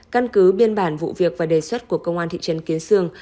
căn cứ biên bản vụ việc và đề xuất của công an thị trấn kiến sương